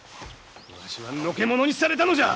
わしはのけ者にされたのじゃ！